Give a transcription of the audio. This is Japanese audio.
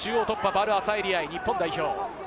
ヴァル・アサエリ愛、日本代表。